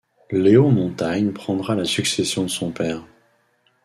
Léo Montagne prendra la succession de son père.